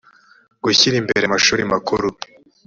gushyira mbere amashuri makuru